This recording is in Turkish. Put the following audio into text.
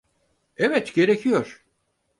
Evet, gerekiyor.